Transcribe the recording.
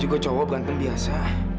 gue cowok berantem biasa